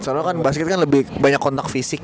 soalnya kan basket kan lebih banyak kontak fisik